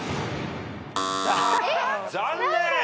残念！